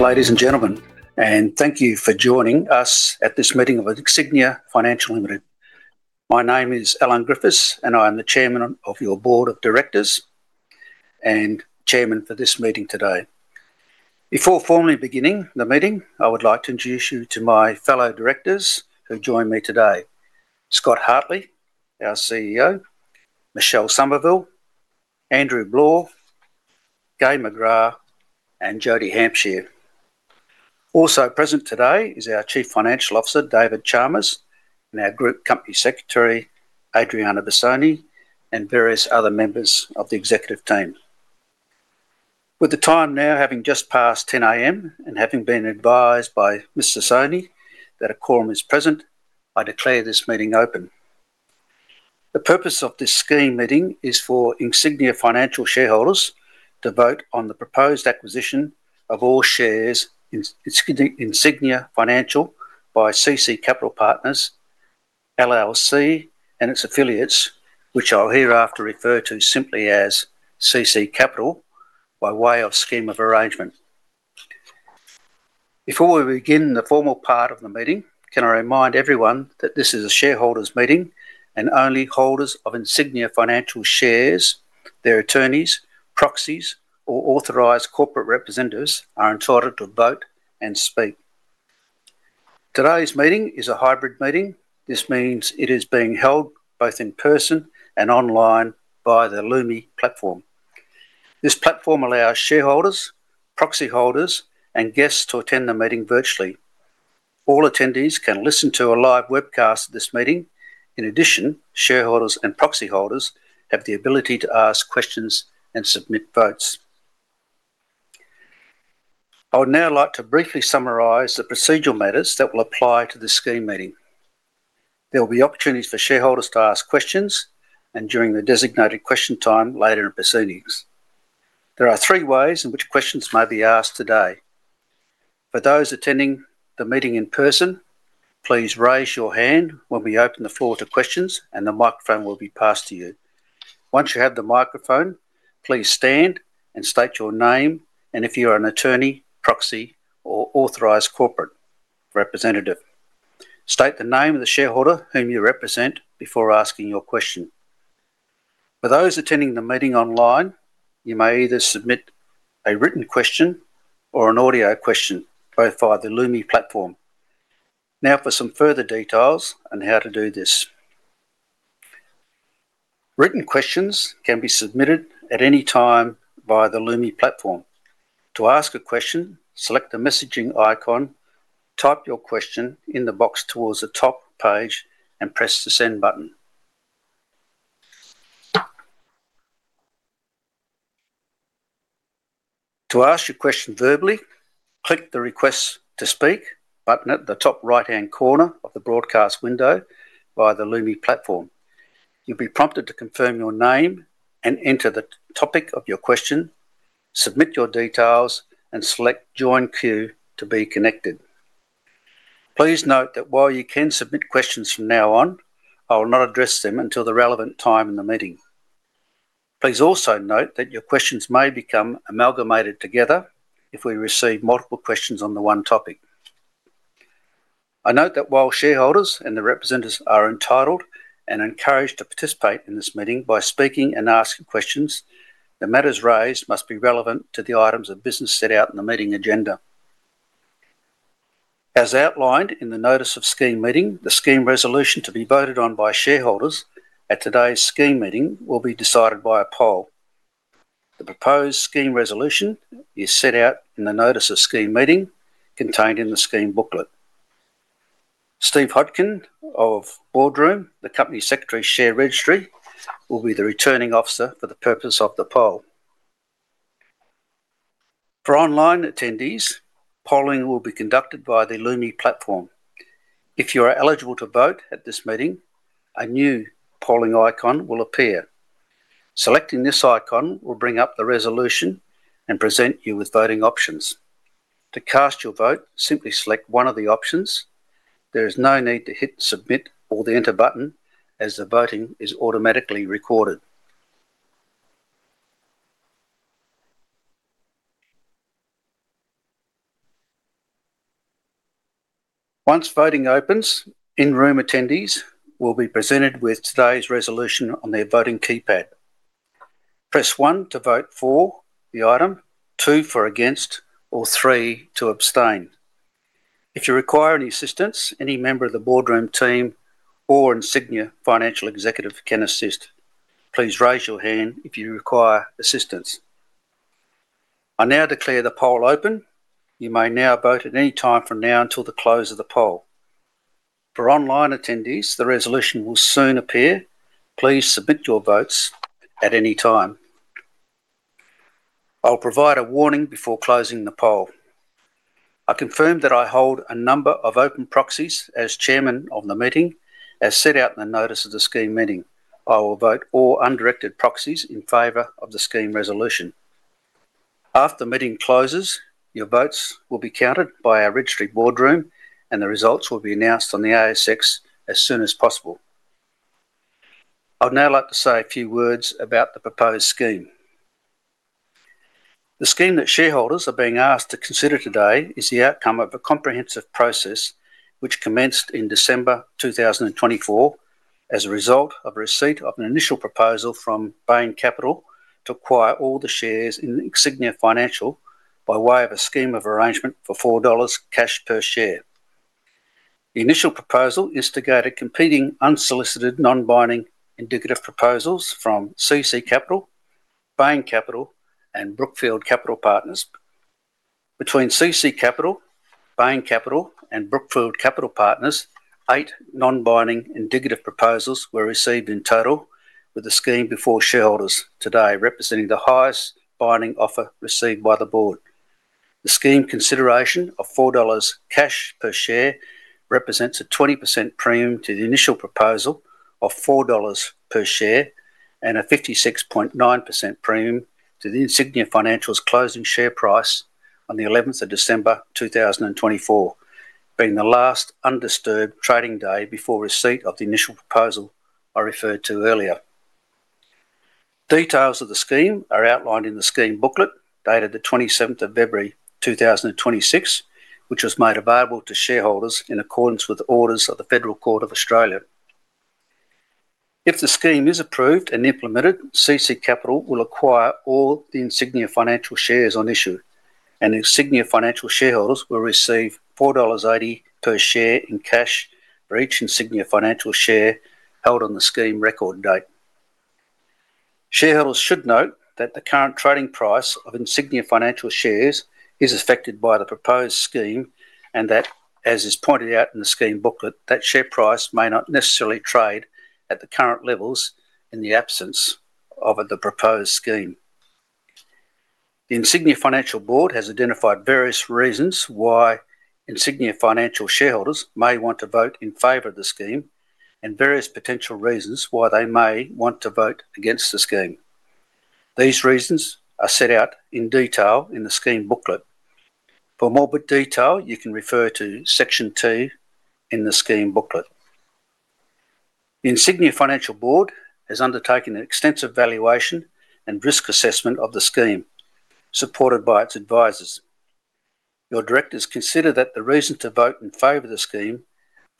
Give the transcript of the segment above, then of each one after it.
Ladies and gentlemen, thank you for joining us at this meeting of Insignia Financial Limited. My name is Allan Griffiths, and I am the Chairman of your Board of Directors and Chairman for this meeting today. Before formally beginning the meeting, I would like to introduce you to my fellow Directors who join me today, Scott Hartley, our CEO, Michelle Somerville, Andrew Bloore, Gai McGrath, and Jodie Hampshire. Also present today is our Chief Financial Officer, David Chalmers, and our Group Company Secretary, Adrianna Bisogni, and various other members of the Executive Team. With the time now having just passed 10:00 A.M., and having been advised by Ms. Bisogni that a quorum is present, I declare this meeting open. The purpose of this scheme meeting is for Insignia Financial shareholders to vote on the proposed acquisition of all shares in Insignia Financial by CC Capital Partners, LLC, and its affiliates, which I'll hereafter refer to simply as CC Capital, by way of scheme of arrangement. Before we begin the formal part of the meeting, can I remind everyone that this is a shareholders meeting and only holders of Insignia Financial shares, their attorneys, proxies, or authorized corporate representatives are entitled to vote and speak. Today's meeting is a hybrid meeting. This means it is being held both in person and online via the Lumi platform. This platform allows shareholders, proxy holders, and guests to attend the meeting virtually. All attendees can listen to a live webcast of this meeting. In addition, shareholders and proxy holders have the ability to ask questions and submit votes. I would now like to briefly summarize the procedural matters that will apply to the Scheme Meeting. There will be opportunities for shareholders to ask questions during the designated question time later in proceedings. There are three ways in which questions may be asked today. For those attending the meeting in person, please raise your hand when we open the floor to questions, and the microphone will be passed to you. Once you have the microphone, please stand and state your name, and if you are an attorney, proxy, or authorized corporate representative, state the name of the shareholder whom you represent before asking your question. For those attending the meeting online, you may either submit a written question or an audio question, both via the Lumi platform. Now for some further details on how to do this. Written questions can be submitted at any time via the Lumi platform. To ask a question, select the messaging icon, type your question in the box towards the top page, and press the send button. To ask your question verbally, click the Request to Speak button at the top right-hand corner of the broadcast window via the Lumi platform. You'll be prompted to confirm your name and enter the topic of your question. Submit your details and select Join Queue to be connected. Please note that while you can submit questions from now on, I will not address them until the relevant time in the meeting. Please also note that your questions may become amalgamated together if we receive multiple questions on the one topic. I note that while shareholders and their representatives are entitled and encouraged to participate in this meeting by speaking and asking questions, the matters raised must be relevant to the items of business set out in the meeting agenda. As outlined in the Notice of Scheme Meeting, the Scheme Resolution to be voted on by shareholders at today's Scheme Meeting will be decided via poll. The proposed Scheme Resolution is set out in the Notice of Scheme Meeting contained in the Scheme Booklet. Steve Hodkin of Boardroom, the company secretary share registry, will be the Returning Officer for the purpose of the poll. For online attendees, polling will be conducted via the Lumi platform. If you are eligible to vote at this meeting, a new polling icon will appear. Selecting this icon will bring up the resolution and present you with voting options. To cast your vote, simply select one of the options. There is no need to hit submit or the enter button as the voting is automatically recorded. Once voting opens, in-room attendees will be presented with today's resolution on their voting keypad. Press one to vote for the item, two for against, or three to abstain. If you require any assistance, any member of the Boardroom team or Insignia Financial executive can assist. Please raise your hand if you require assistance. I now declare the poll open. You may now vote at any time from now until the close of the poll. For online attendees, the resolution will soon appear. Please submit your votes at any time. I'll provide a warning before closing the poll. I confirm that I hold a number of open proxies as Chairman of the meeting, as set out in the notice of the scheme meeting. I will vote all undirected proxies in favor of the scheme resolution. After meeting closes, your votes will be counted by our registry, Boardroom, and the results will be announced on the ASX as soon as possible. I'd now like to say a few words about the proposed scheme. The scheme that shareholders are being asked to consider today is the outcome of a comprehensive process which commenced in December 2024 as a result of receipt of an initial proposal from Bain Capital to acquire all the shares in Insignia Financial by way of a scheme of arrangement for 4 dollars cash per share. The initial proposal instigated competing, unsolicited, non-binding indicative proposals from CC Capital, Bain Capital, and Brookfield Capital Partners. Between CC Capital, Bain Capital, and Brookfield Capital Partners, eight non-binding indicative proposals were received in total, with the scheme before shareholders today representing the highest binding offer received by the Board. The scheme consideration of 4 dollars cash per share represents a 20% premium to the initial proposal of 4 dollars per share and a 56.9% premium to the Insignia Financial's closing share price on the 11th of December 2024, being the last undisturbed trading day before receipt of the initial proposal I referred to earlier. Details of the scheme are outlined in the scheme booklet dated the 27th of February 2026, which was made available to shareholders in accordance with the orders of the Federal Court of Australia. If the scheme is approved and implemented, CC Capital will acquire all the Insignia Financial shares on issue, and Insignia Financial shareholders will receive 4.80 dollars per share in cash for each Insignia Financial share held on the scheme record date. Shareholders should note that the current trading price of Insignia Financial shares is affected by the proposed scheme and that, as is pointed out in the scheme booklet, that share price may not necessarily trade at the current levels in the absence of the proposed scheme. The Insignia Financial Board has identified various reasons why Insignia Financial shareholders may want to vote in favor of the scheme and various potential reasons why they may want to vote against the scheme. These reasons are set out in detail in the scheme booklet. For more detail, you can refer to Section two in the scheme booklet. The Insignia Financial Board has undertaken an extensive valuation and risk assessment of the scheme, supported by its advisors. Your Directors consider that the reason to vote in favor of the scheme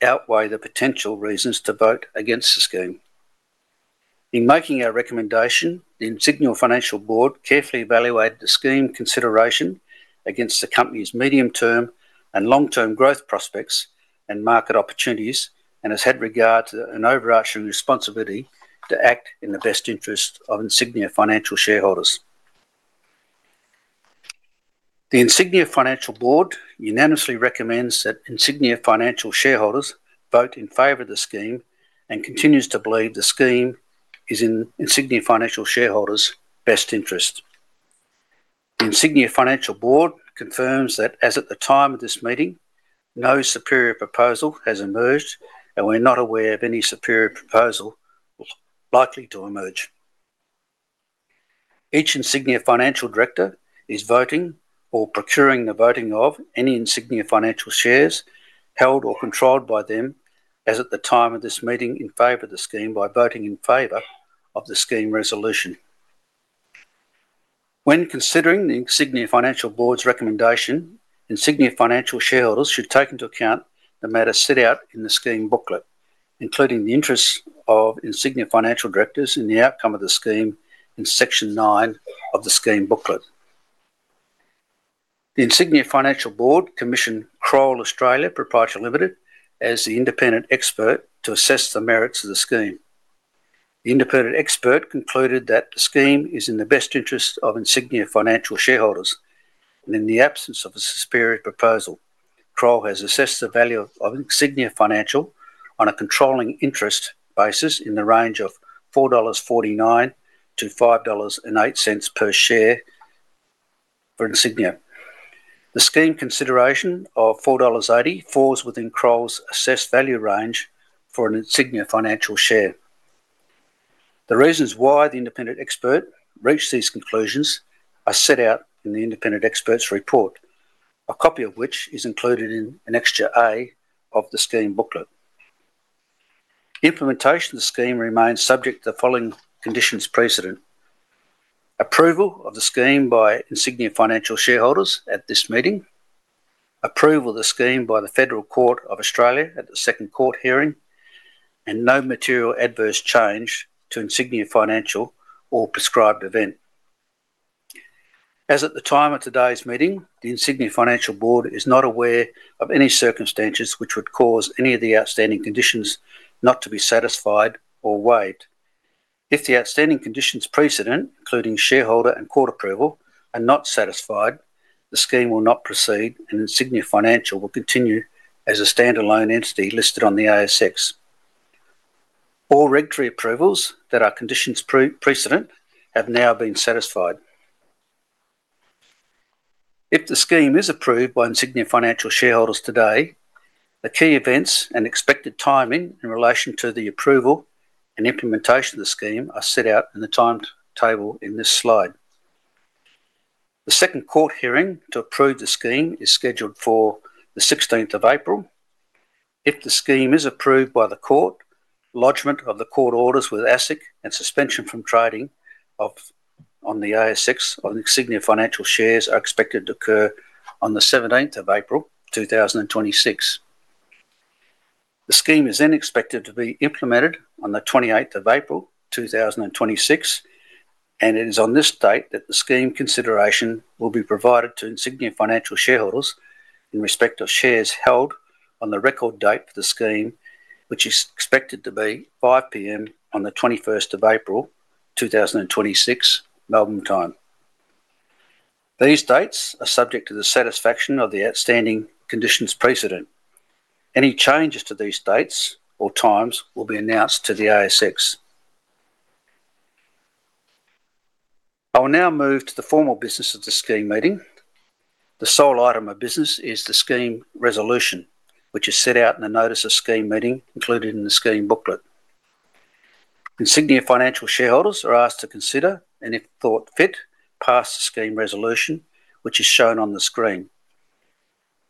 outweigh the potential reasons to vote against the scheme. In making our recommendation, the Insignia Financial Board carefully evaluated the scheme consideration against the company's medium-term and long-term growth prospects and market opportunities and has had regard to an overarching responsibility to act in the best interest of Insignia Financial shareholders. The Insignia Financial Board unanimously recommends that Insignia Financial shareholders vote in favor of the scheme and continues to believe the scheme is in Insignia Financial shareholders best interest. The Insignia Financial Board confirms that as at the time of this meeting, no superior proposal has emerged, and we're not aware of any superior proposal likely to emerge. Each Insignia Financial Director is voting or procuring the voting of any Insignia Financial shares held or controlled by them as at the time of this meeting in favor of the scheme by voting in favor of the scheme resolution. When considering the Insignia Financial Board's recommendation, Insignia Financial shareholders should take into account the matter set out in the scheme booklet, including the interests of Insignia Financial Directors in the outcome of the scheme in Section 9 of the scheme booklet. The Insignia Financial Board commissioned Kroll Australia Proprietary Limited as the independent expert to assess the merits of the scheme. The independent expert concluded that the scheme is in the best interest of Insignia Financial shareholders. In the absence of a superior proposal, Kroll has assessed the value of Insignia Financial on a controlling interest basis in the range of 4.49-5.08 dollars per share for Insignia. The scheme consideration of 4.80 dollars falls within Kroll's assessed value range for an Insignia Financial share. The reasons why the independent expert reached these conclusions are set out in the independent expert's report, a copy of which is included in Annexure A of the scheme booklet. Implementation of the scheme remains subject to the following conditions precedent. Approval of the scheme by Insignia Financial shareholders at this meeting, approval of the scheme by the Federal Court of Australia at the second court hearing, and no material adverse change to Insignia Financial or prescribed event. As at the time of today's meeting, the Insignia Financial Board is not aware of any circumstances which would cause any of the outstanding conditions not to be satisfied or waived. If the outstanding conditions precedent, including shareholder and court approval, are not satisfied, the scheme will not proceed, and Insignia Financial will continue as a standalone entity listed on the ASX. All regulatory approvals that are conditions precedent have now been satisfied. If the scheme is approved by Insignia Financial shareholders today, the key events and expected timing in relation to the approval and implementation of the scheme are set out in the timetable in this slide. The second court hearing to approve the scheme is scheduled for the 16th of April. If the scheme is approved by the court, lodgment of the court orders with ASIC and suspension from trading on the ASX of Insignia Financial shares are expected to occur on the 17th of April, 2026. The scheme is then expected to be implemented on the 28th of April, 2026, and it is on this date that the scheme consideration will be provided to Insignia Financial shareholders in respect of shares held on the record date for the scheme, which is expected to be 5:00 P.M. on the 21st of April, 2026, Melbourne time. These dates are subject to the satisfaction of the outstanding conditions precedent. Any changes to these dates or times will be announced to the ASX. I will now move to the formal business of the scheme meeting. The sole item of business is the scheme resolution, which is set out in the notice of scheme meeting included in the scheme booklet. Insignia Financial shareholders are asked to consider, and if thought fit, pass the scheme resolution which is shown on the screen.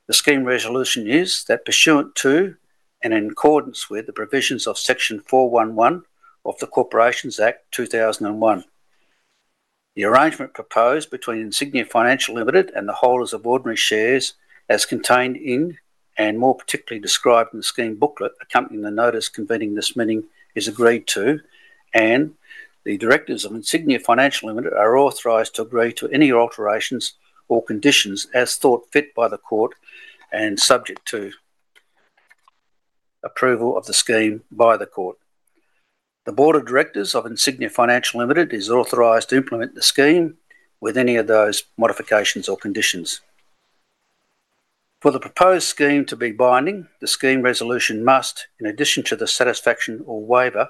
The scheme resolution is that pursuant to and in accordance with the provisions of Section 411 of the Corporations Act 2001, the arrangement proposed between Insignia Financial Limited and the holders of ordinary shares as contained in and more particularly described in the scheme booklet accompanying the notice convening this meeting is agreed to, and the Directors of Insignia Financial Limited are authorized to agree to any alterations or conditions as thought fit by the court and subject to approval of the scheme by the court. The Board of Directors of Insignia Financial Limited is authorized to implement the scheme with any of those modifications or conditions. For the proposed scheme to be binding, the scheme resolution must, in addition to the satisfaction or waiver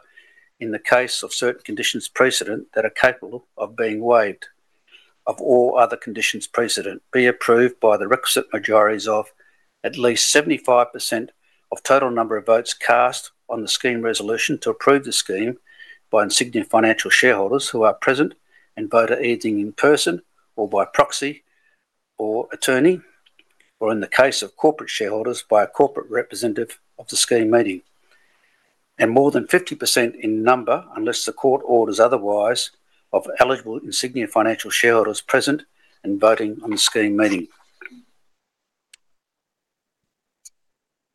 in the case of certain conditions precedent that are capable of being waived of all other conditions precedent, be approved by the requisite majorities of at least 75% of total number of votes cast on the scheme resolution to approve the scheme by Insignia Financial shareholders who are present and vote either in person or by proxy or attorney, or in the case of corporate shareholders by a corporate representative of the scheme meeting, and more than 50% in number, unless the court orders otherwise, of eligible Insignia Financial shareholders present and voting at the scheme meeting.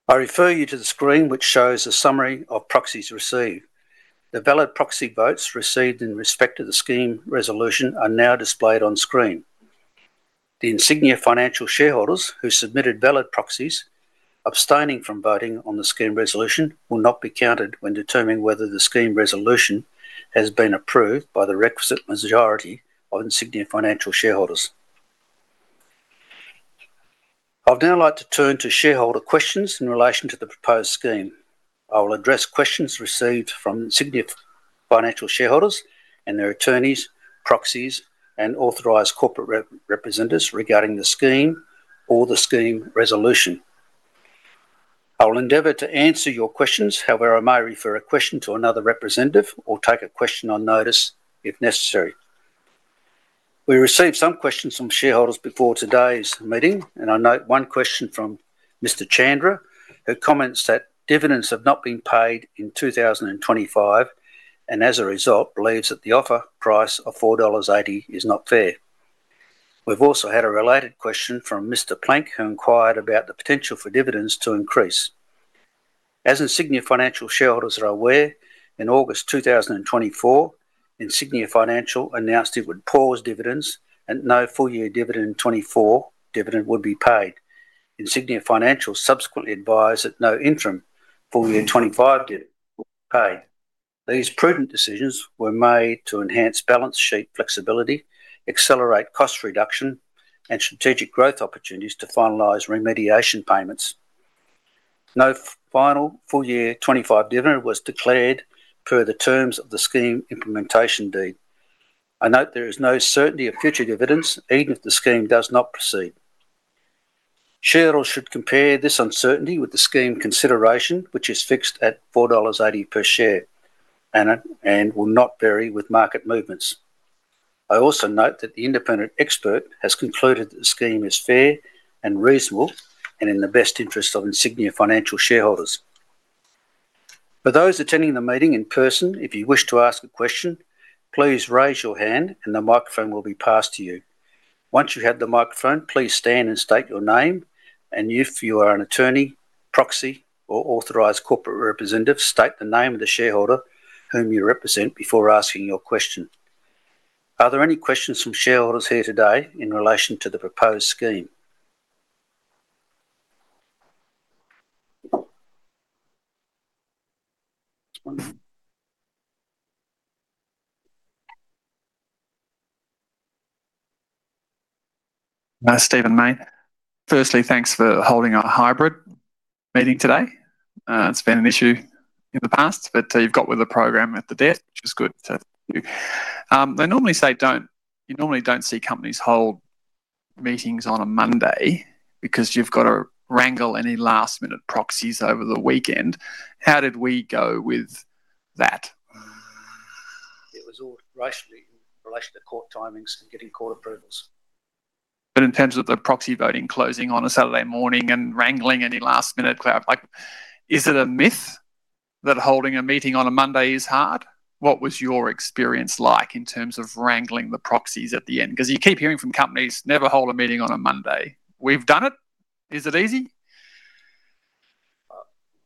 I refer you to the screen which shows a summary of proxies received. The valid proxy votes received in respect of the scheme resolution are now displayed on screen. The Insignia Financial shareholders who submitted valid proxies abstaining from voting on the scheme resolution will not be counted when determining whether the scheme resolution has been approved by the requisite majority of Insignia Financial shareholders. I would now like to turn to shareholder questions in relation to the proposed scheme. I will address questions received from Insignia Financial shareholders and their attorneys, proxies, and authorized corporate representatives regarding the scheme or the scheme resolution. I will endeavor to answer your questions. However, I may refer a question to another representative or take a question on notice if necessary. We received some questions from shareholders before today's meeting, and I note one question from Mr. Chandra, who comments that dividends have not been paid in 2025, and as a result, believes that the offer price of 4.80 dollars is not fair. We've also had a related question from Mr. Plank, who inquired about the potential for dividends to increase. As Insignia Financial shareholders are aware, in August 2024, Insignia Financial announced it would pause dividends and no full-year dividend in 2024 dividend would be paid. Insignia Financial subsequently advised that no interim full-year 2025 dividend will be paid. These prudent decisions were made to enhance balance sheet flexibility, accelerate cost reduction, and strategic growth opportunities to finalize remediation payments. No final full-year 2025 dividend was declared per the terms of the scheme implementation deed. I note there is no certainty of future dividends even if the scheme does not proceed. Shareholders should compare this uncertainty with the scheme consideration, which is fixed at $4.80 per share and will not vary with market movements. I also note that the independent expert has concluded that the scheme is fair and reasonable and in the best interest of Insignia Financial shareholders. For those attending the meeting in person, if you wish to ask a question, please raise your hand and the microphone will be passed to you. Once you have the microphone, please stand and state your name, and if you are an attorney, proxy, or authorized corporate representative, state the name of the shareholder whom you represent before asking your question. Are there any questions from shareholders here today in relation to the proposed scheme? Stephen Mayne. Firstly, thanks for holding a hybrid meeting today. It's been an issue in the past, but you've got with the program at the death, which is good. Thank you. You normally don't see companies hold meetings on a Monday because you've got to wrangle any last-minute proxies over the weekend. How did we go with that? It was all rationally in relation to court timings and getting court approvals. In terms of the proxy voting closing on a Saturday morning and wrangling any last-minute cloud, is it a myth that holding a meeting on a Monday is hard? What was your experience like in terms of wrangling the proxies at the end? Because you keep hearing from companies, "Never hold a meeting on a Monday." We've done it. Is it easy?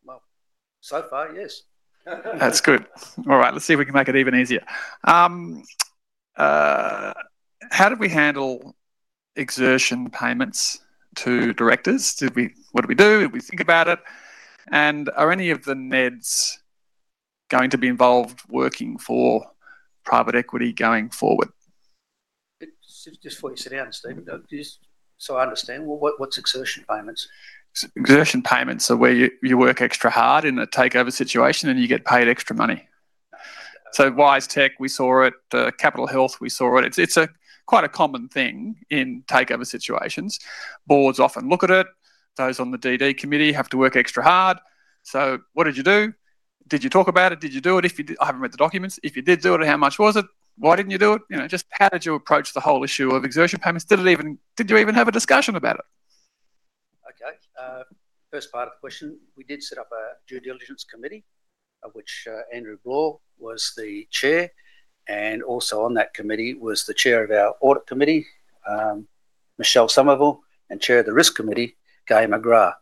Well, so far, yes. That's good. All right. Let's see if we can make it even easier. How did we handle exertion payments to Directors? What did we do? Did we think about it? Are any of the NEDs going to be involved working for private equity going forward? Just before you sit down, Stephen, just so I understand, what's exertion payments? Exertion payments are where you work extra hard in a takeover situation, and you get paid extra money. WiseTech, we saw it. Capitol Health, we saw it. It's quite a common thing in takeover situations. Boards often look at it. Those on the DD committee have to work extra hard. What did you do? Did you talk about it? Did you do it? I haven't read the documents. If you did do it, how much was it? Why didn't you do it? Just how did you approach the whole issue of exertion payments? Did you even have a discussion about it? Okay. First part of the question, we did set up a due diligence committee, of which Andrew Bloore was the chair, and also on that committee was the chair of our audit committee, Michelle Somerville, and chair of the risk committee, Gai McGrath.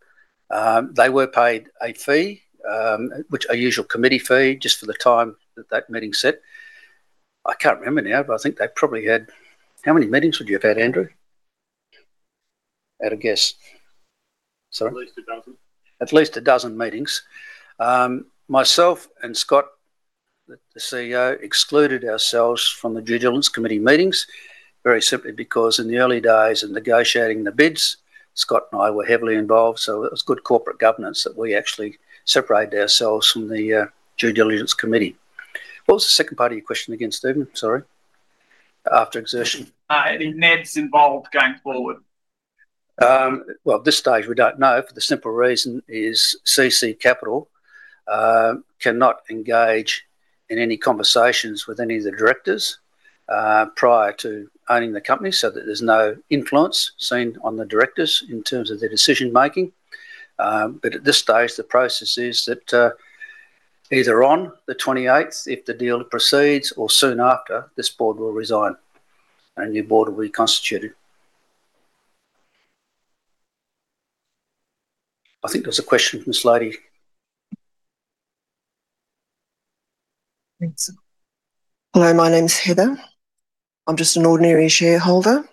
They were paid a fee, a usual committee fee, just for the time that that meeting set. I can't remember now, but I think they probably had... How many meetings would you have had, Andrew? At a guess. Sorry. At least a dozen. At least a dozen meetings. Myself and Scott, the CEO, excluded ourselves from the Due Diligence Committee meetings, very simply because in the early days of negotiating the bids, Scott and I were heavily involved, so it was good corporate governance that we actually separated ourselves from the Due Diligence Committee. What was the second part of your question again, Stephen? Sorry. After. Any NEDs involved going forward? Well, at this stage, we don't know for the simple reason is CC Capital cannot engage in any conversations with any of the Directors prior to owning the company so that there's no influence seen on the Directors in terms of their decision-making. At this stage, the process is that either on the 28th, if the deal proceeds or soon after, this Board will resign, and a new Board will be constituted. I think there's a question from this lady. Thanks. Hello, my name is Heather. I'm just an ordinary shareholder.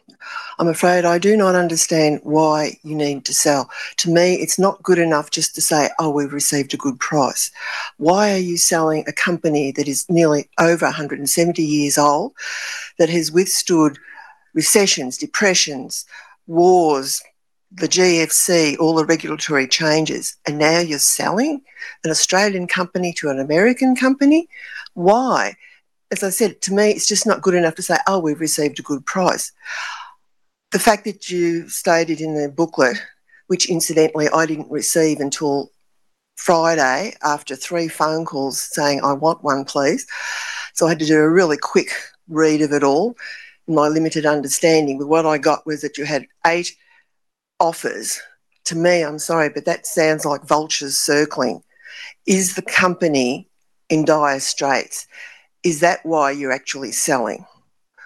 I'm afraid I do not understand why you need to sell. To me, it's not good enough just to say, "Oh, we've received a good price." Why are you selling a company that is nearly over 170 years old, that has withstood recessions, depressions, wars, the GFC, all the regulatory changes, and now you're selling an Australian company to an American company? Why? As I said, to me, it's just not good enough to say, "Oh, we've received a good price." The fact that you stated in the booklet, which incidentally I didn't receive until Friday after three phone calls saying, "I want one, please," I had to do a really quick read of it all, in my limited understanding, what I got was that you had eight offers. To me, I'm sorry, but that sounds like vultures circling. Is the company in dire straits? Is that why you're actually selling?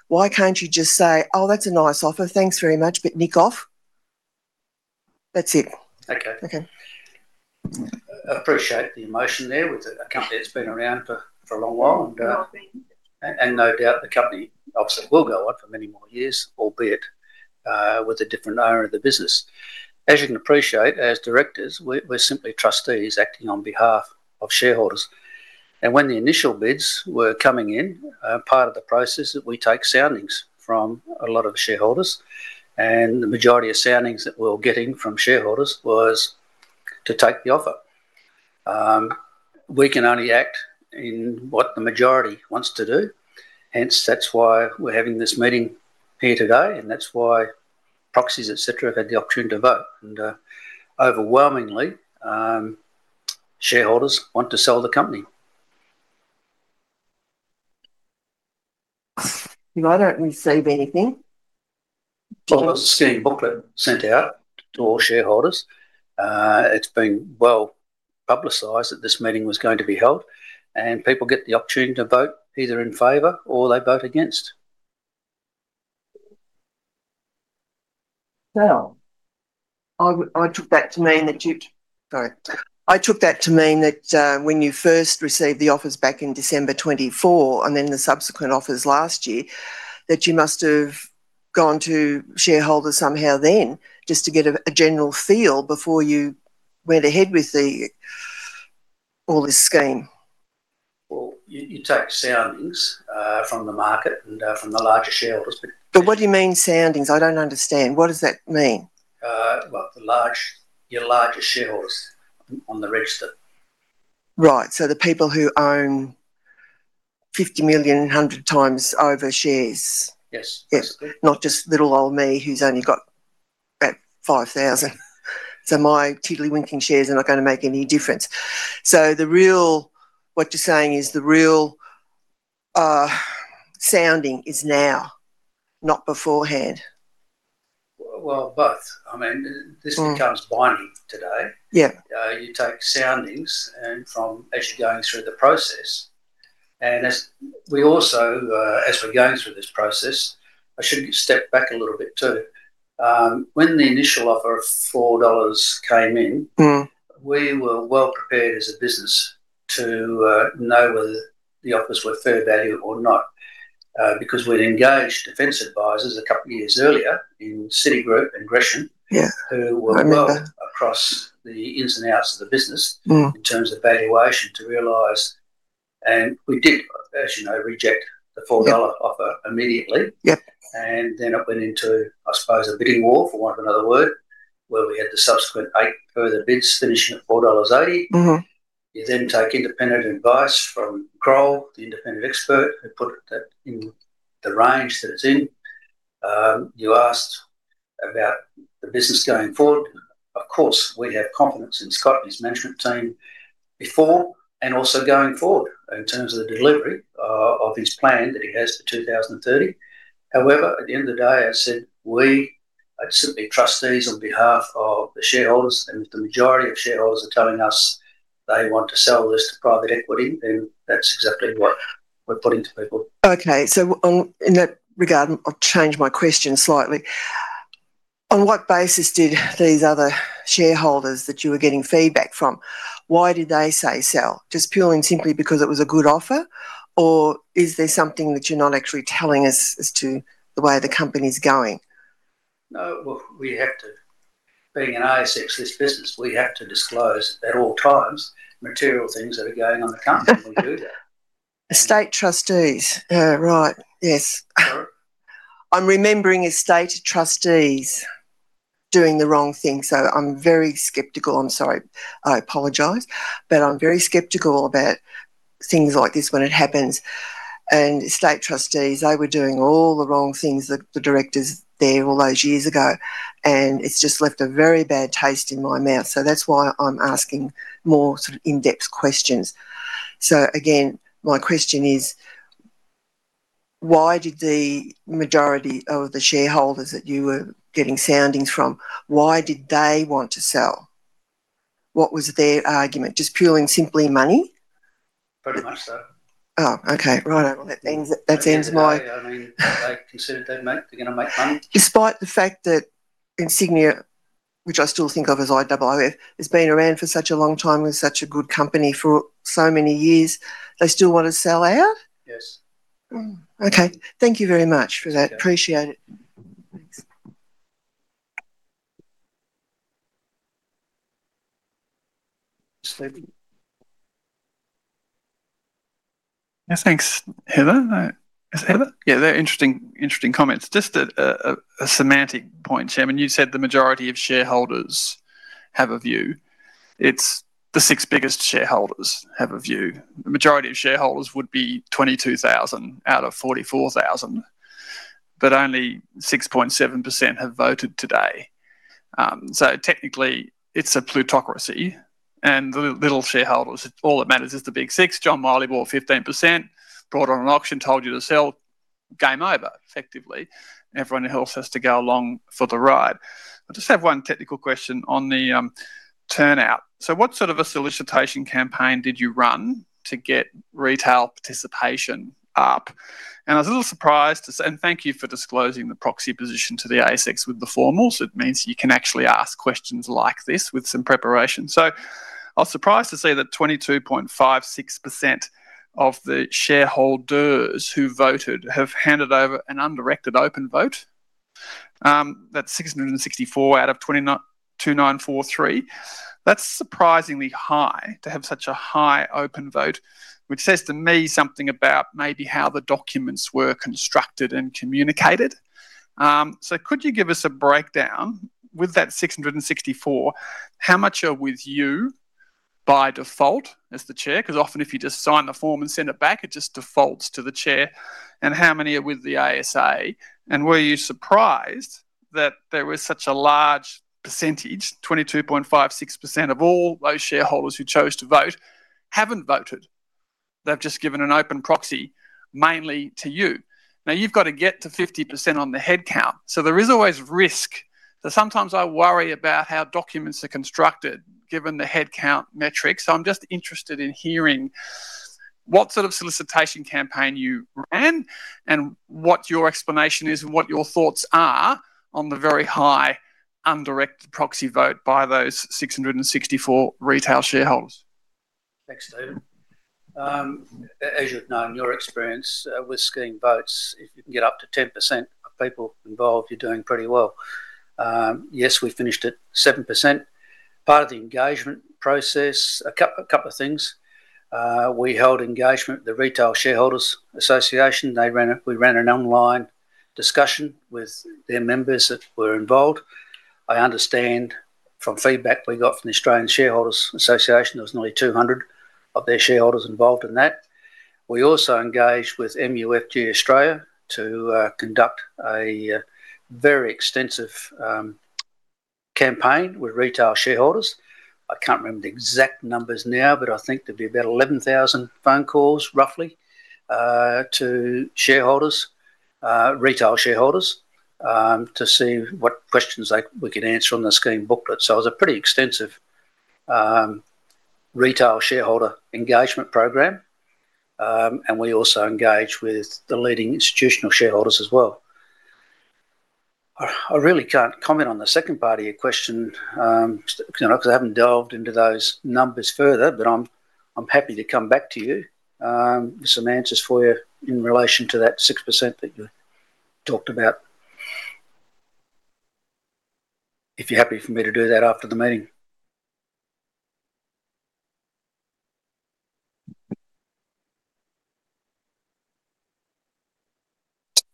Why can't you just say, "Oh, that's a nice offer. Thanks very much, but nick off"? That's it. Okay. Okay. Appreciate the emotion there with a company that's been around for a long while. Will be. No doubt the company obviously will go on for many more years, albeit with a different owner of the business. As you can appreciate, as Directors, we're simply trustees acting on behalf of shareholders. When the initial bids were coming in, part of the process that we take soundings from a lot of the shareholders, and the majority of soundings that we were getting from shareholders was to take the offer. We can only act in what the majority wants to do, hence that's why we're having this meeting here today, and that's why proxies, et cetera, have had the opportunity to vote, and overwhelmingly, shareholders want to sell the company. If I don't receive anything? Well, there was a scheme booklet sent out to all shareholders. It's been well-publicized that this meeting was going to be held, and people get the opportunity to vote either in favor or they vote against. No. I took that to mean that when you first received the offers back in December 2024 and then the subsequent offers last year, that you must have gone to shareholders somehow then just to get a general feel before you went ahead with all this scheme. Well, you take soundings from the market and from the larger shareholders. What do you mean soundings? I don't understand. What does that mean? Well, your larger shareholders on the register. Right. The people who own 50 million, 100 times over shares. Yes. Yes, not just little old me who's only got about 5,000. My tiddlywinking shares are not going to make any difference. What you're saying is the real sounding is now, not beforehand. Well, both. This becomes binding today. Yeah. You take soundings as you're going through the process. As we're going through this process, I should step back a little bit too. When the initial offer of 4 dollars came in. Mm. We were well prepared as a business to know whether the offers were fair value or not because we'd engaged defense advisors a couple of years earlier in Citigroup and Gresham. Yeah. I remember. Who were well across the ins and outs of the business. Mm In terms of valuation, to realize, and we did, as you know, reject the 4 dollar offer immediately. Yep. It went into, I suppose, a bidding war, for want of another word, where we had the subsequent eight further bids finishing at 4.80 dollars. Mm-hmm. You then take independent advice from Kroll, the independent expert, who put that in the range that it's in. You asked about the business going forward. Of course, we have confidence in Scott and his management team before and also going forward in terms of the delivery of his plan that he has for 2030. However, at the end of the day, as I said, we are simply trustees on behalf of the shareholders, and if the majority of shareholders are telling us they want to sell this to private equity, then that's exactly what we're putting to people. Okay. In that regard, I'll change my question slightly. On what basis did these other shareholders that you were getting feedback from, why did they say sell? Just purely and simply because it was a good offer, or is there something that you're not actually telling us as to the way the company's going? No. Well, being an ASX-listed business, we have to disclose at all times material things that are going on in the company. We do that. Estate trustees. Yeah. Right. Yes. Correct. I'm remembering Estate Trustee's doing the wrong thing, so I'm very skeptical. I'm sorry. I apologize. I'm very skeptical about things like this when it happens, and Estate Trustee's, they were doing all the wrong things that the directors there all those years ago, and it's just left a very bad taste in my mouth. That's why I'm asking more sort of in-depth questions. Again, my question is, why did the majority of the shareholders that you were getting soundings from, why did they want to sell? What was their argument? Just purely and simply money? Pretty much so. Oh, okay. Right. Well, that ends my. At the end of the day, they considered they're going to make money. Despite the fact that Insignia, which I still think of as IOOF, has been around for such a long time and such a good company for so many years, they still want to sell out? Yes. Okay. Thank you very much for that. I appreciate it. Thanks. Stephen. Yes. Thanks, Heather. It's Heather? Yeah, they're interesting comments. Just a semantic point, Chairman. You said the majority of shareholders have a view. It's the six biggest shareholders have a view. The majority of shareholders would be 22,000 out of 44,000, but only 6.7% have voted today. Technically, it's a plutocracy and the little shareholders, all that matters is the big six. John Wylie bought 15%, brought on an auction, told you to sell. Game over, effectively. Everyone else has to go along for the ride. I just have one technical question on the turnout. What sort of a solicitation campaign did you run to get retail participation up? I was a little surprised, and thank you for disclosing the proxy position to the ASX with the formals. It means you can actually ask questions like this with some preparation. I was surprised to see that 22.56% of the shareholders who voted have handed over an undirected open vote. That's 664 out of 2,943. That's surprisingly high to have such a high open vote, which says to me something about maybe how the documents were constructed and communicated. Could you give us a breakdown with that 664, how much are with you by default as the Chair, because often if you just sign the form and send it back, it just defaults to the Chair? How many are with the ASA? Were you surprised that there was such a large percentage, 22.56% of all those shareholders who chose to vote, haven't voted? They've just given an open proxy, mainly to you. Now you've got to get to 50% on the headcount. So there is always risk that sometimes I worry about how documents are constructed, given the headcount metrics. So I'm just interested in hearing what sort of solicitation campaign you ran and what your explanation is and what your thoughts are on the very high undirected proxy vote by those 664 retail shareholders. Thanks, Stephen. As you'd know, in your experience with scheme votes, if you can get up to 10% of people involved, you're doing pretty well. Yes, we finished at 7%. Part of the engagement process, a couple of things. We held engagement with the Retail Shareholders Association. We ran an online discussion with their members that were involved. I understand from feedback we got from the Australian Shareholders Association, there was nearly 200 of their shareholders involved in that. We also engaged with MUFG Australia to conduct a very extensive campaign with retail shareholders. I can't remember the exact numbers now, but I think there'd be about 11,000 phone calls roughly to retail shareholders to see what questions we could answer on the scheme booklet. It was a pretty extensive retail shareholder engagement program, and we also engaged with the leading institutional shareholders as well. I really can't comment on the second part of your question because I haven't delved into those numbers further, but I'm happy to come back to you with some answers for you in relation to that 6% that you talked about if you're happy for me to do that after the meeting.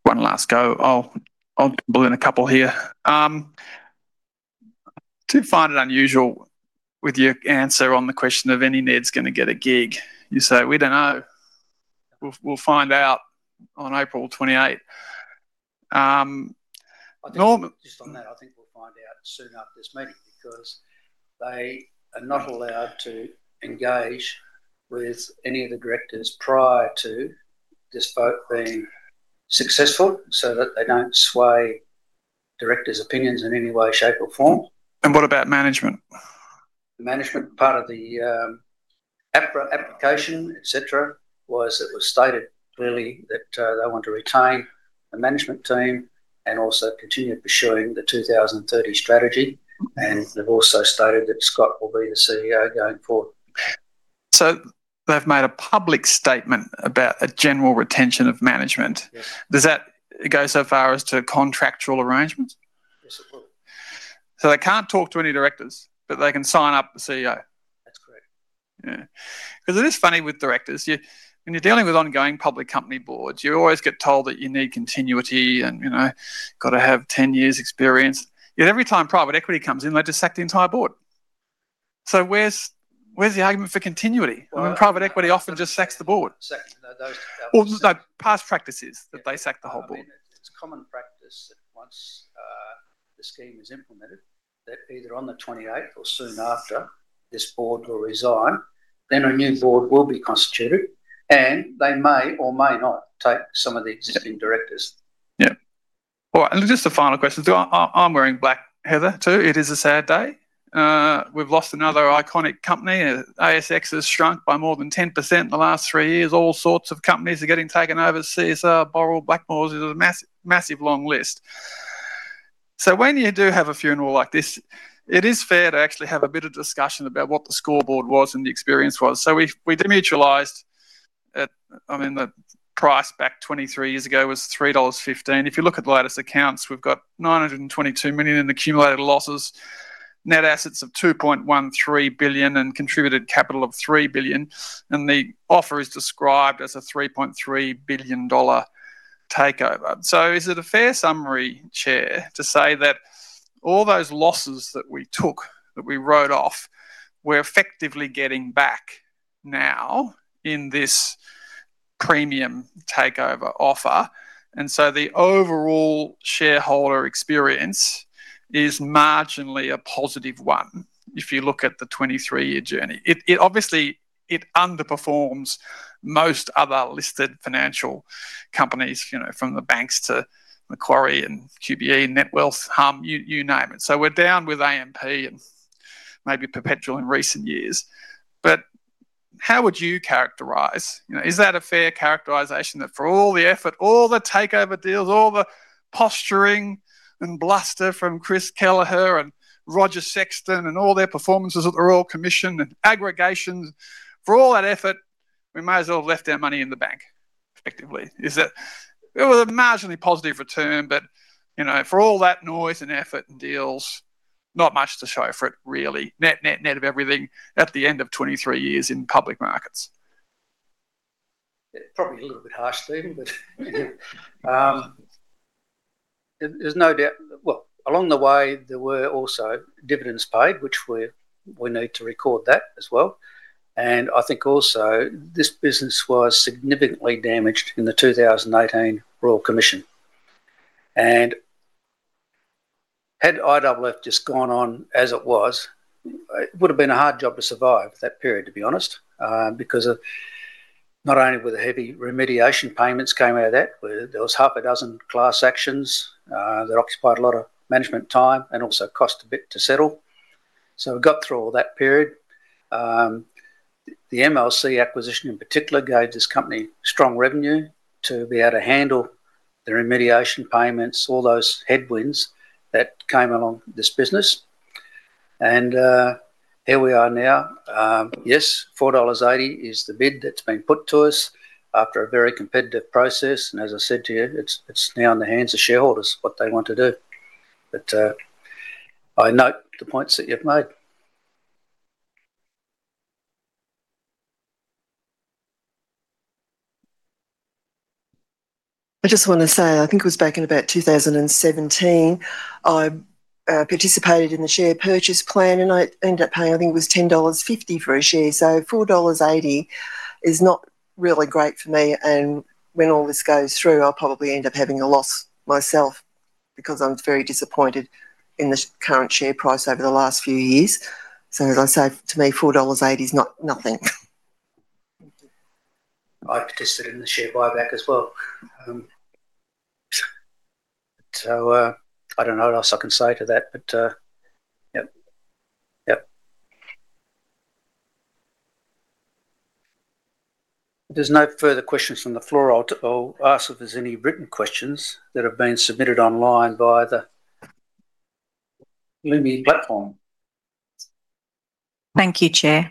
One last go. I'll bundle a couple here. Do you find it unusual with your answer on the question of if any NED is going to get a gig, you say, we don't know, we'll find out on April 28th? Just on that, I think we'll find out soon after this meeting because they are not allowed to engage with any of the Directors prior to this vote being successful so that they don't sway Directors opinions in any way, shape, or form. What about management? The management part of the APRA application, et cetera, it was stated clearly that they want to retain the management team and also continue pursuing the 2030 Strategy. They've also stated that Scott will be the CEO going forward. They've made a public statement about a general retention of management. Yes. Does that go so far as to contractual arrangements? Yes, it would. They can't talk to any Directors, but they can sign up the CEO? That's correct. Yeah. Because it is funny with directors. When you're dealing with ongoing public company boards, you always get told that you need continuity and got to have 10 years experience. Yet every time private equity comes in, they just sack the entire board. Where's the argument for continuity? Well, no. When private equity often just sacks the board? Sacks. No. Past practice is that they sack the whole Board. I mean, it's common practice that once the scheme is implemented, that either on the 28th or soon after, this Board will resign, then a new Board will be constituted, and they may or may not take some of the existing Directors. Yeah. All right, and just a final question. I'm wearing black, Heather, too. It is a sad day. We've lost another iconic company. ASX has shrunk by more than 10% in the last three years. All sorts of companies are getting taken over, CSR, Boral, Blackmores. There's a massive long list. When you do have a funeral like this, it is fair to actually have a bit of discussion about what the scoreboard was and the experience was. We demutualized at, I mean, the price back 23 years ago was 3.15 dollars. If you look at the latest accounts, we've got 922 million in accumulated losses, net assets of 2.13 billion and contributed capital of 3 billion, and the offer is described as a 3.3 billion dollar takeover. Is it a fair summary, Chair, to say that all those losses that we took, that we wrote off, we're effectively getting back now in this premium takeover offer, and so the overall shareholder experience is marginally a positive one if you look at the 23-year journey? Obviously, it underperforms most other listed financial companies, from the banks to Macquarie and QBE, Netwealth, you name it. We're down with AMP and maybe Perpetual in recent years. How would you characterize, is that a fair characterization that for all the effort, all the takeover deals, all the posturing and bluster from Chris Kelaher and Roger Sexton and all their performances at the Royal Commission and aggregations? For all that effort, we may as well left our money in the bank, effectively. It was a marginally positive return, but for all that noise and effort and deals, not much to show for it, really, net of everything at the end of 23 years in public markets. Probably a little bit harsh, Stephen, but there's no doubt. Well, along the way, there were also dividends paid, which we need to record that as well. I think also this business was significantly damaged in the 2018 Royal Commission. Had IOOF just gone on as it was, it would've been a hard job to survive that period, to be honest, because of not only were the heavy remediation payments came out of that, where there was half a dozen class actions, that occupied a lot of management time and also cost a bit to settle. We got through all that period. The MLC acquisition, in particular, gave this company strong revenue to be able to handle the remediation payments, all those headwinds that came along this business, and here we are now. Yes, 4.80 dollars is the bid that's been put to us after a very competitive process, and as I said to you, it's now in the hands of shareholders what they want to do. I note the points that you've made. I just want to say, I think it was back in about 2017, I participated in the share purchase plan, and I ended up paying, I think it was 10.50 dollars for a share. 4.80 dollars is not really great for me, and when all this goes through, I'll probably end up having a loss myself because I was very disappointed in the current share price over the last few years. As I say, to me, 4.80 dollars is nothing. I participated in the share buyback as well. I don't know what else I can say to that, but yep. If there's no further questions from the floor, I'll ask if there's any written questions that have been submitted online via the Lumi platform. Thank you, Chair.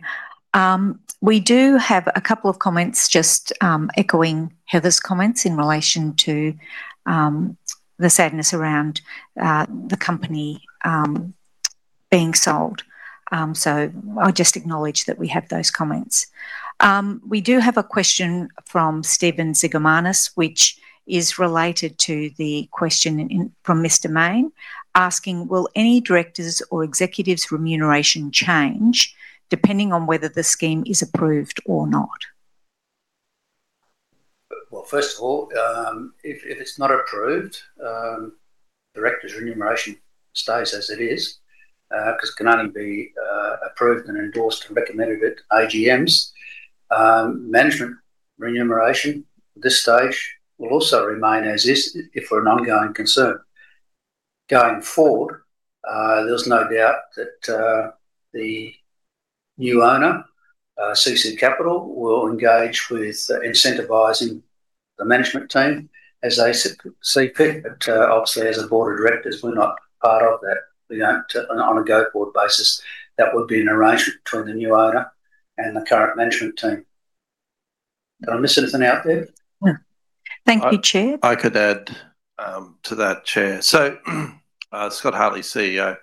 We do have a couple of comments just echoing Heather's comments in relation to the sadness around the company being sold. I just acknowledge that we have those comments. We do have a question from Steve Zigomanis, which is related to the question from Mr. Mayne, asking, "Will any directors' or executives' remuneration change depending on whether the scheme is approved or not? Well, first of all, if it's not approved, Directors Remuneration stays as it is, because it can only be approved and endorsed and recommended at AGMs. Management Remuneration at this stage will also remain as is if we're an ongoing concern. Going forward, there's no doubt that the new owner, CC Capital, will engage with incentivizing the Management Team as they see fit. Obviously, as a Board of Directors, we're not part of that. On a go-forward basis, that would be an arrangement between the new owner and the current Management Team. Did I miss anything out, Deb? No. Thank you, Chair. I could add to that, Chair. Scott Hartley, CEO.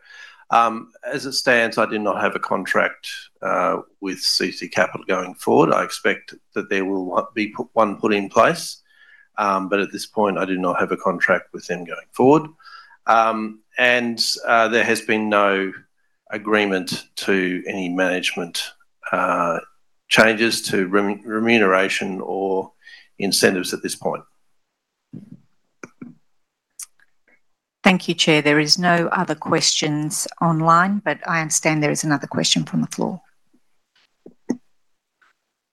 As it stands, I do not have a contract with CC Capital going forward. I expect that there will be one put in place. At this point, I do not have a contract with them going forward. There has been no agreement to any management changes to remuneration or incentives at this point. Thank you, Chair. There is no other questions online, but I understand there is another question from the floor.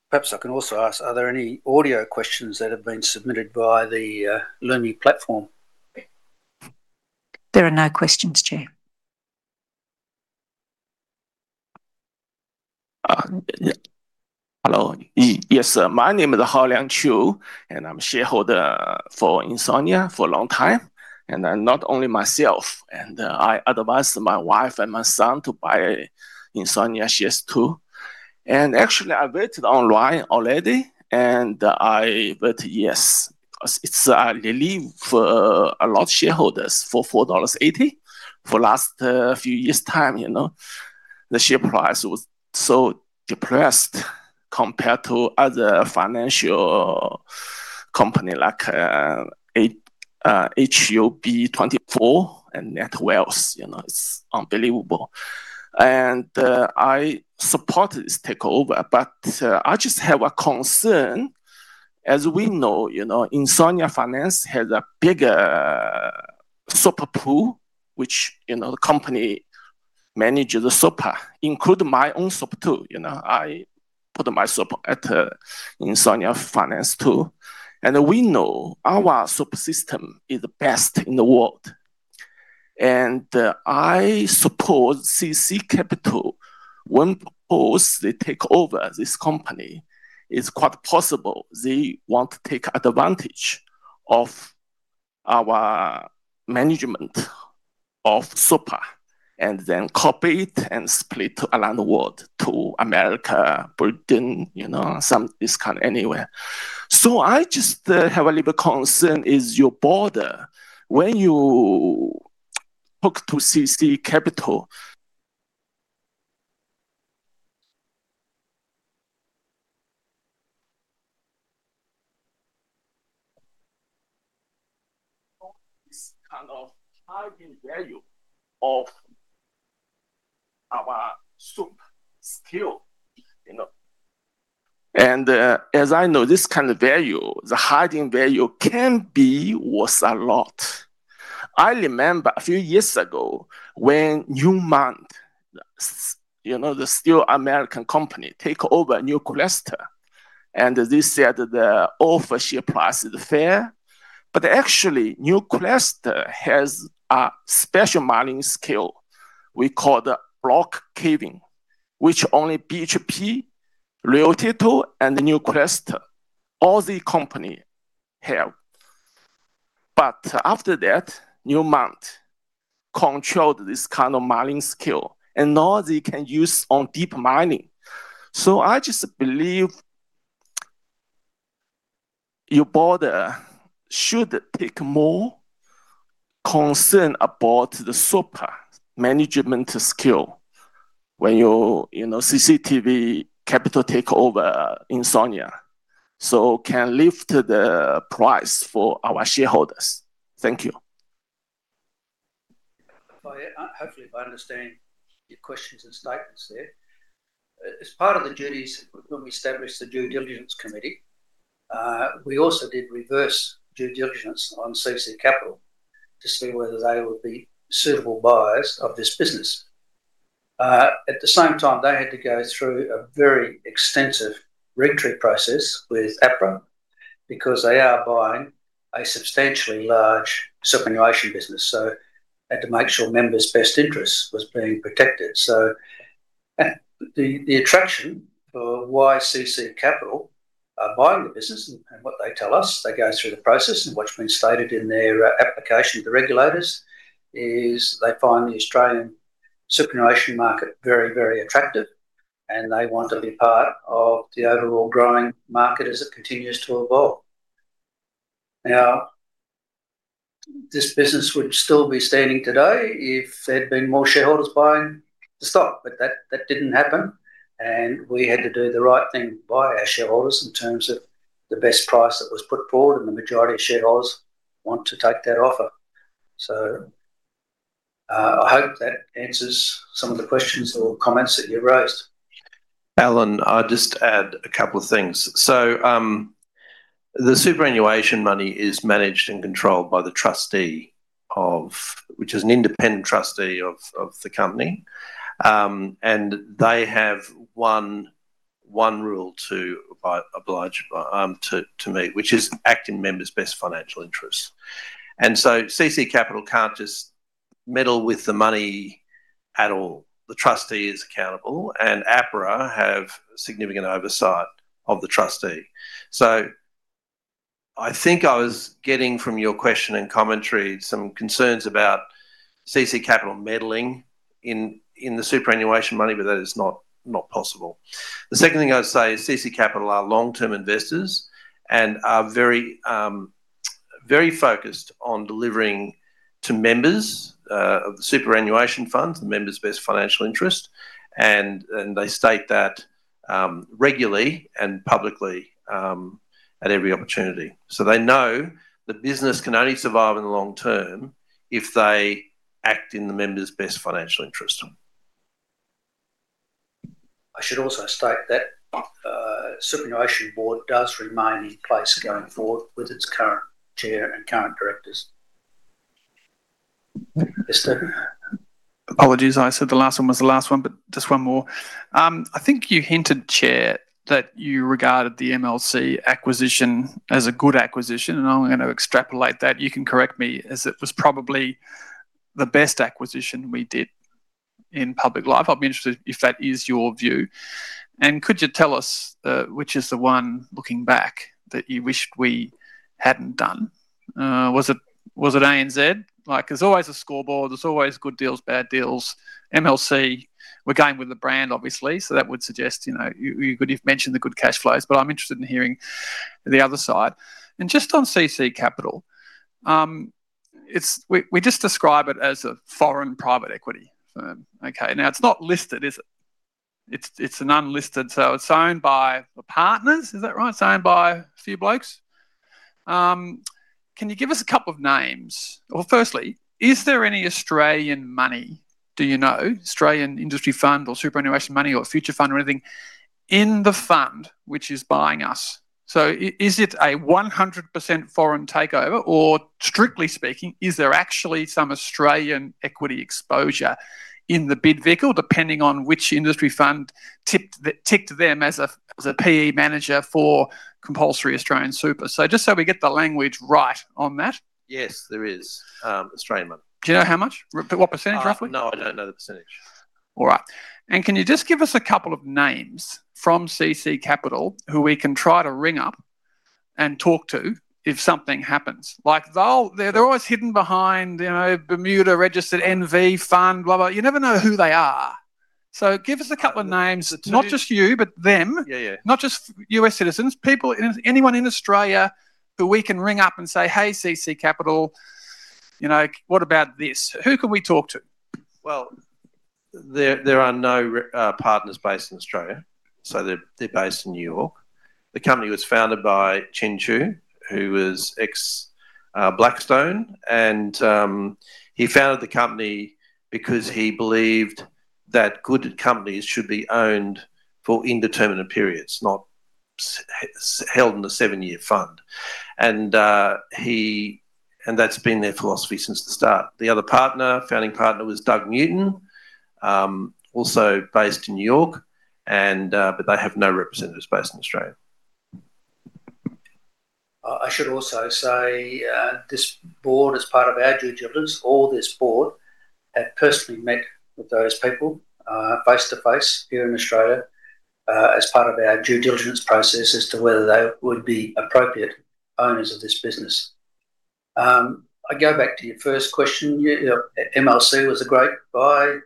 Perhaps I can also ask, are there any audio questions that have been submitted via the Lumi platform? There are no questions, Chair. Hello. Yes. My name is Haoliang Chu, and I'm shareholder for Insignia for a long time, and not only myself, and I advised my wife and my son to buy Insignia shares too. Actually, I voted online already, and I vote yes, because it's a relief for a lot of shareholders for 4.80 dollars. For last few years time, the share price was so depressed compared to other financial company like HUB24 and Netwealth. It's unbelievable. I support this takeover, but I just have a concern. As we know, Insignia Financial has a big super pool, which the company manage the super, including my own super too. I put my super at Insignia Financial too. We know our super system is the best in the world. I suppose CC Capital, once they take over this company, it's quite possible they want to take advantage of our management of super and then copy it and split around the world to America, Britain, some distant anywhere. I just have a little concern, as a shareholder, when you talk to CC Capital, this kind of hidden value of our super still. As I know, this kind of value, the hidden value can be worth a lot. I remember a few years ago when Newmont, the still American company, take over Newcrest, and they said the offer share price is fair. Actually, Newcrest has a special mining skill we call the block caving, which only BHP, Rio Tinto, and Newcrest, all the company have. After that, Newmont controlled this kind of mining skill, and now they can use on deep mining. I just believe your board should take concern about the super management skill when CC Capital take over Insignia, so can lift the price for our shareholders. Thank you. Hopefully, if I understand your questions and statements there. As part of the duties when we established the due diligence committee, we also did reverse due diligence on CC Capital to see whether they would be suitable buyers of this business. At the same time, they had to go through a very extensive regulatory process with APRA, because they are buying a substantially large superannuation business, so had to make sure members best interests was being protected. The attraction for why CC Capital are buying the business and what they tell us, they go through the process and what's been stated in their application to the regulators, is they find the Australian superannuation market very, very attractive and they want to be part of the overall growing market as it continues to evolve. Now, this business would still be standing today if there'd been more shareholders buying the stock, but that didn't happen, and we had to do the right thing by our shareholders in terms of the best price that was put forward, and the majority of shareholders want to take that offer. I hope that answers some of the questions or comments that you raised. Allan, I'll just add a couple of things. The superannuation money is managed and controlled by the Trustee, which is an independent Trustee of the company. They have one rule to meet, which is act in members best financial interests. CC Capital can't just meddle with the money at all. The Trustee is accountable, and APRA have significant oversight of the Trustee. I think I was getting from your question and commentary some concerns about CC Capital meddling in the superannuation money, but that is not possible. The second thing I would say is CC Capital are long-term investors and are very focused on delivering to members of the superannuation funds, the members best financial interest, and they state that regularly and publicly at every opportunity. They know the business can only survive in the long term if they act in the members best financial interest. I should also state that Superannuation Board does remain in place going forward with its current Chair and current Directors. Yes, Stephen. Apologies. I said the last one was the last one, but just one more. I think you hinted, Chair, that you regarded the MLC acquisition as a good acquisition, and I'm going to extrapolate that. You can correct me, as it was probably the best acquisition we did in public life. I'd be interested if that is your view. Could you tell us which is the one, looking back, that you wished we hadn't done? Was it ANZ? There's always a scoreboard. There's always good deals, bad deals. MLC, we're going with the brand, obviously. That would suggest, you've mentioned the good cash flows, but I'm interested in hearing the other side. Just on CC Capital. We just describe it as a foreign private equity firm. Okay. Now, it's not listed, is it? It's an unlisted, so it's owned by partners. Is that right? It's owned by a few blokes. Can you give us a couple of names? Firstly, is there any Australian money, do you know, Australian industry fund or superannuation money or future fund or anything, in the fund which is buying us? Is it a 100% foreign takeover or strictly speaking, is there actually some Australian equity exposure in the bid vehicle, depending on which industry fund ticked them as a PE manager for compulsory Australian super? Just so we get the language right on that. Yes, there is Australian money. Do you know how much? What percent roughly? No, I don't know the percentage. All right. Can you just give us a couple of names from CC Capital who we can try to ring up and talk to if something happens? They're always hidden behind Bermuda-registered NV fund, blah blah. You never know who they are. Give us a couple of names, not just you, but them. Yeah. Not just U.S. citizens. Anyone in Australia who we can ring up and say, "Hey, CC Capital, what about this?" Who can we talk to? Well, there are no partners based in Australia, so they're based in New York. The company was founded by Chinh Chu, who was ex-Blackstone, and he founded the company because he believed that good companies should be owned for indeterminate periods, not held in a seven-year fund. That's been their philosophy since the start. The other partner, founding partner, was Doug Newton, also based in New York, but they have no representatives based in Australia. I should also say, this Board, as part of our due diligence, have personally met with those people face to face here in Australia, as part of our due diligence process as to whether they would be appropriate owners of this business. I go back to your first question. MLC was a great buy.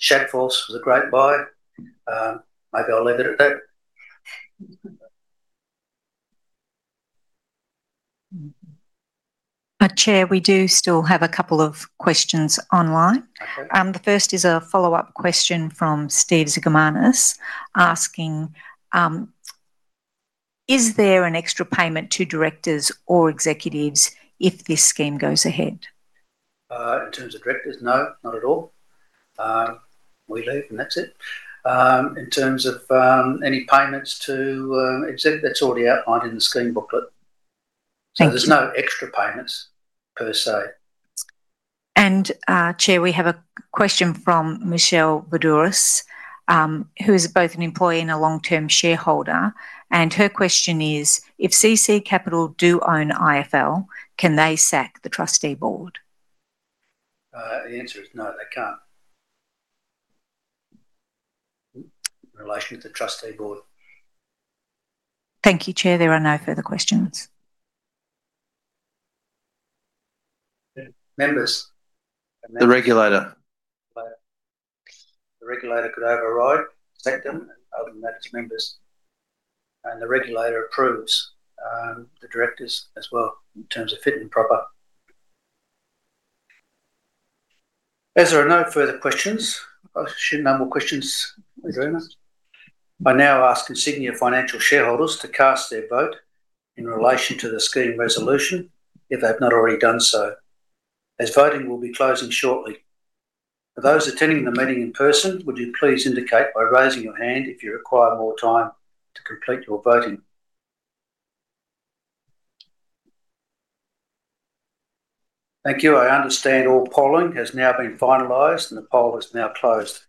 Shadforth was a great buy. Maybe I'll leave it at that. Chair, we do still have a couple of questions online. Okay. The first is a follow-up question from Steve Zigomanis asking, is there an extra payment to directors or executives if this scheme goes ahead? In terms of Directors, no, not at all. We leave, and that's it. In terms of any payments to Executive, that's already outlined in the Scheme Booklet. Thank you. There's no extra payments per se. Chair, we have a question from Michelle Voudouris, who is both an employee and a long-term shareholder, and her question is, if CC Capital do own IFL, can they sack the Trustee Board? The answer is no. They can't, in relation to the Trustee Board. Thank you, Chair. There are no further questions. Members- The regulator. The regulator could override, sack them, and other than that, its members. The regulator approves the directors as well in terms of fit and proper. As there are no further questions, I assume no more questions are raised. I now ask Insignia Financial shareholders to cast their vote in relation to the scheme resolution if they have not already done so, as voting will be closing shortly. For those attending the meeting in person, would you please indicate by raising your hand if you require more time to complete your voting? Thank you. I understand all polling has now been finalized, and the poll is now closed.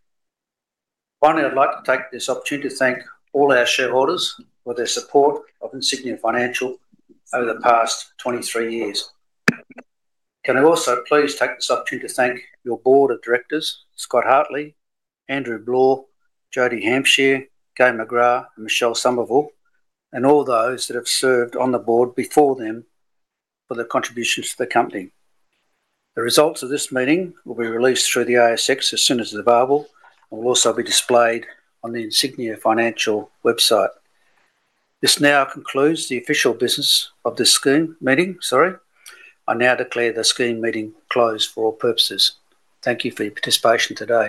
Finally, I'd like to take this opportunity to thank all our shareholders for their support of Insignia Financial over the past 23 years. Can I also please take this opportunity to thank your board of directors, Scott Hartley, Andrew Bloore, Jodie Hampshire, Gai McGrath, and Michelle Somerville, and all those that have served on the board before them for their contributions to the company. The results of this meeting will be released through the ASX as soon as available and will also be displayed on the Insignia Financial website. This now concludes the official business of this scheme meeting. Sorry. I now declare the scheme meeting closed for all purposes. Thank you for your participation today.